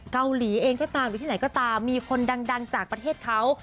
เกาหลีเองก็ตามหรือที่ไหนก็ตามมีคนดังจากประเทศเขา